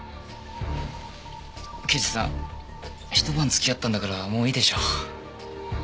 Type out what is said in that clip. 刑事さんひと晩付き合ったんだからもういいでしょ？